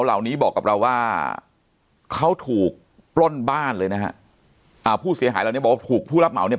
เหล่านี้บอกกับเราว่าเขาถูกปล้นบ้านเลยนะฮะอ่าผู้เสียหายเหล่านี้บอกว่าถูกผู้รับเหมาเนี่ย